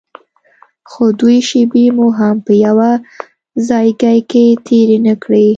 خو دوې شپې مو هم په يوه ځايگي کښې تېرې نه کړې.